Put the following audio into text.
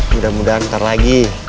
mudah mudahan ntar lagi